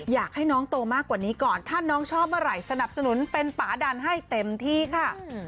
อยากให้น้องโตมากกว่านี้ก่อนถ้าน้องชอบเมื่อไหร่สนับสนุนเป็นป่าดันให้เต็มที่ค่ะ